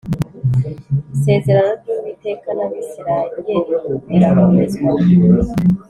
Isezerano ry uwiteka n abisirayeli rirakomezwa